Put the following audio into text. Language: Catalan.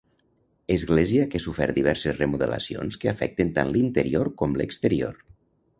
Església que ha sofert diverses remodelacions que afecten tant l'interior com l'exterior.